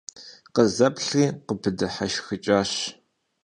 Къызэплъри, къыпыдыхьэшхыкӀащ.